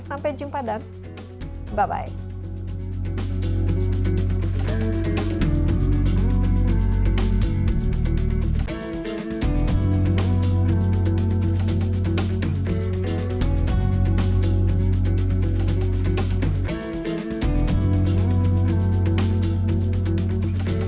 sampai jumpa dan bye bye